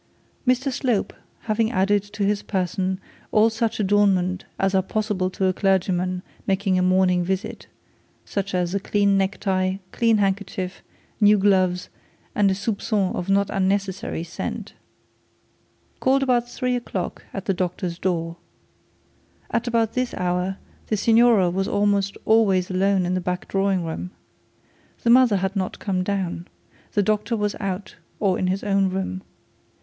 Mr Slope having added to his person all such adornments as are possible to a clergyman making a morning visit, such as a clean neck tie, clean handkerchief, new gloves, and a soupcon of not necessary scent, called about three o'clock at the doctor's house. At about this hour the signora was almost always in the back drawing room. The mother had not come down. The doctor was out or in his own room.